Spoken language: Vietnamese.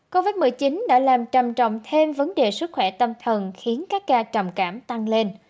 covid một mươi chín đã làm trầm trọng thêm vấn đề sức khỏe tâm thần khiến các ca trầm cảm tăng lên